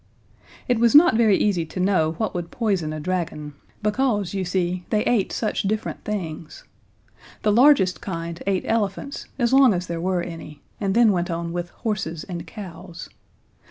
It was not very easy to know what would poison a dragon, because, you see, they ate such different things. The largest kind ate elephants as long as there were any, and then went on with horses and cows.